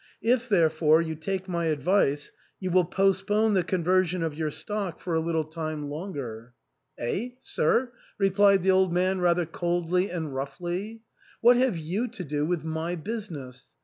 If, therefore, you take my advice, you will post pone the conversion of your stock for a little time ARTHUR'S HALL. 337 longer." "Eh! sir?" replied the old man rather coldly and roughly, "what have you to do with my business